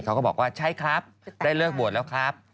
เขาก็บอกว่าใช่ครับได้เลิกบวชแล้วครับ